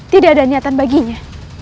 tidak ada niatan baginya